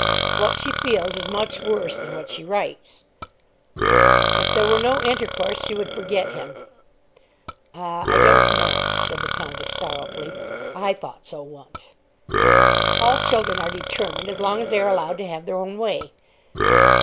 "What she feels is much worse than what she writes." "If there were no intercourse she would forget him." "Ah; I don't know," said the Countess sorrowfully; "I thought so once." "All children are determined as long as they are allowed to have their own way."